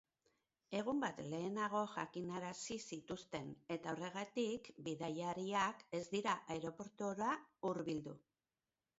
Egun bat lehenago jakinarazi zituzten, eta horregatik bidaiariak ez dira aireportura hurbildu.